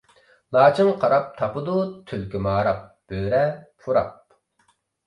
لاچىن قاراپ تاپىدۇ، تۈلكە ماراپ، بۆرە پۇراپ.